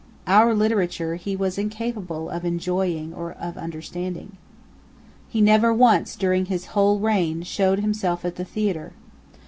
Our literature he was incapable of enjoying or of understanding. He never once, during his whole reign, showed himself at the theatre.